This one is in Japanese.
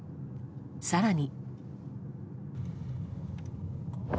更に。